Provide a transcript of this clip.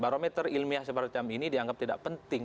barometer ilmiah seperti ini dianggap tidak penting